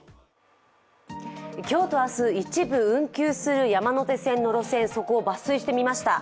今日と明日、一部運休する山手線の路線、そこを抜粋してみました。